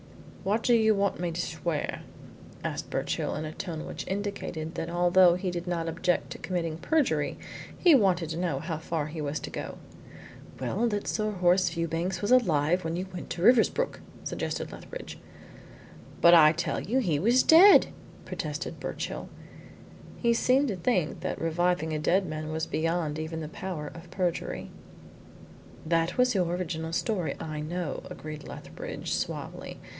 "What do you want me to swear?" asked Birchill, in a tone which indicated that although he did not object to committing perjury, he wanted to know how far he was to go. "Well, that Sir Horace Fewbanks was alive when you went to Riversbrook," suggested Lethbridge. "But I tell you he was dead," protested Birchill. He seemed to think that reviving a dead man was beyond even the power of perjury. "That was your original story, I know," agreed Lethbridge suavely.